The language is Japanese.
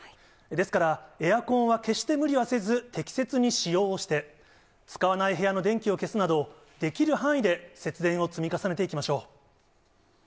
ですから、エアコンは決して無理はせず、適切に使用をして、使わない部屋の電気を消すなど、できる範囲で節電を積み重ねていきましょう。